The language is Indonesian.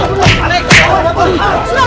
surah surah surah